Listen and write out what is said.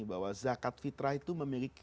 bahwa zakat fitrah itu memiliki